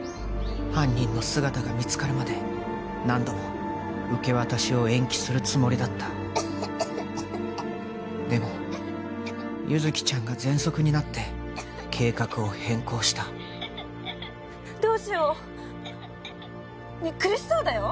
犯人の姿が見つかるまで何度も受け渡しを延期するつもりだったでも優月ちゃんがぜんそくになって計画を変更したどうしようねっ苦しそうだよ